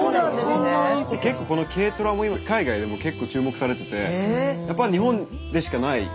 結構この軽トラも今海外でも注目されててやっぱ日本でしかない造られない。